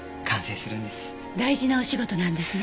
大事なお仕事なんですね。